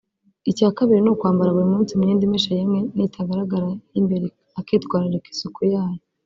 Icya kabiri ni ukwambara buri munsi imyenda imeshe yemwe n’itagaragara y’imbere akitwararika isuku yayo